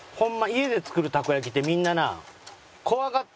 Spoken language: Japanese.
家で作るたこ焼きってみんなな。